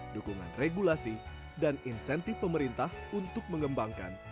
dukungan regulasi dan insentif pemerintah untuk mengembangkan industri halal